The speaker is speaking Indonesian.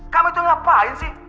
kamu itu ngapain sih